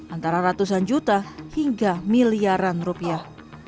antara ratusan juta hingga miliaran rupiah